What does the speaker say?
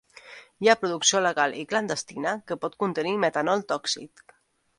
Hi ha producció legal i clandestina que pot contenir metanol tòxic.